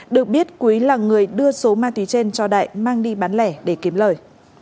được biết quý là người đưa số ma túy trên cho đại mang đi bán lẻ để kiếm lời